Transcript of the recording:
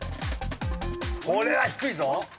これは低いぞ。